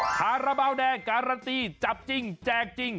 คาราบาลแดงการันตีจับจริงแจกจริง